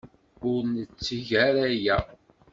Ur netteg ara aya.